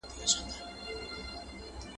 ، الله سبحانه وتعالی هغې ته دا حق ورکړی دی.